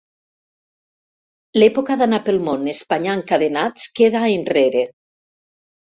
L'època d'anar pel món espanyant cadenats queda enrere.